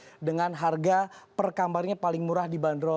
ini terdiri dari empat ratus kamar dengan harga per kamarnya paling murah di bandar ustaz